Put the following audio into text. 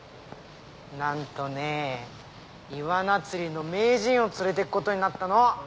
なんとねイワナ釣りの名人を連れていくことになったの。